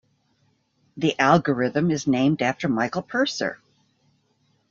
The algorithm is named after Michael Purser.